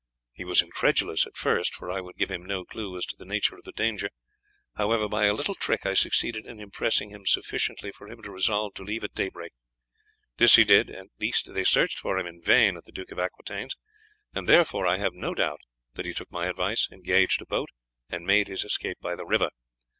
He was incredulous at first, for I would give him no clue as to the nature of the danger; however, by a little trick I succeeded in impressing him sufficiently for him to resolve to leave at daybreak. This he did; at least they searched for him in vain at the Duke of Aquitaine's, and therefore I have no doubt that he took my advice, engaged a boat, and made his escape by the river.